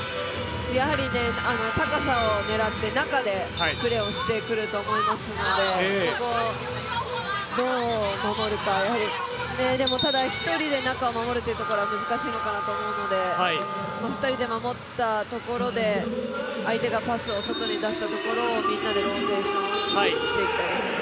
やはり高さを狙って、中でプレーをしてくると思いますので、そこをどう守るか、でも、ただ１人で中を守るのは難しいのかなと思うので２人で守ったところで相手がパスを外に出したところをみんなでローテーションしていきたいですね。